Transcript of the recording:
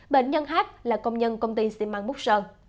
bệnh nhân h là công nhân công ty xi măng búc sơn